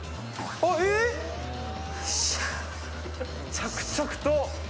着々と。